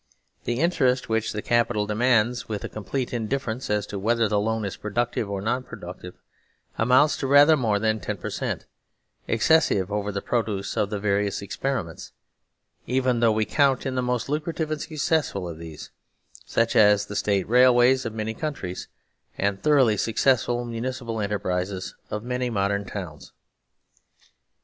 The interest which capital demands with a complete indifference as to whether the loan is productive or non productive amounts to rather more than I \ per cent, excess over the produce of the various experiments, even though we countin the most lucrative and successful of these, such as the state railways of many countries, and the thoroughly successful municipal enterprises of many modern towns.